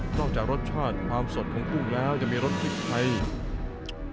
จากรสชาติความสดของกุ้งแล้วจะมีรสพริกไทย